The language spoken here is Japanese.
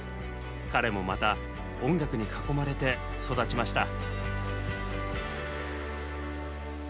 彼もまた音楽に囲まれて育ちました。